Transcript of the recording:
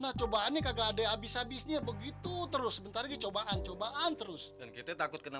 nah cobaannya kagak ada abis abisnya begitu terus bentar cobaan cobaan terus dan kita takut kena